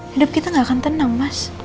hidup kita gak akan tenang mas